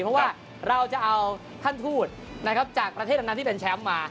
เพราะว่าเราจะเอาท่านทูตนะครับจากประเทศดำนั้นที่เป็นแชมป์มา